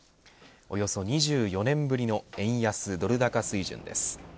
およそ２４年ぶりの円安ドル高水準です。